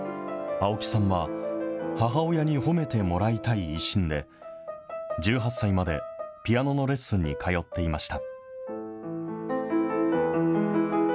青木さんは、母親に褒めてもらいたい一心で、１８歳までピアノのレッスンに通っていました。